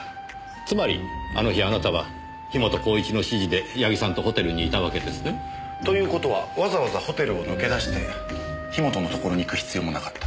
つまりあの日あなたは樋本晃一の指示で矢木さんとホテルにいたわけですね？という事はわざわざホテルを抜け出して樋本のところに行く必要もなかった。